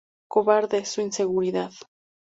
Cobarde; su inseguridad.